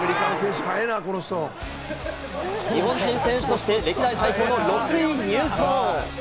日本人選手として歴代最高の６位入賞！